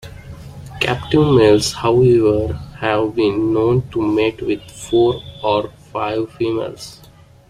Captive males, however, have been known to mate with four or five females.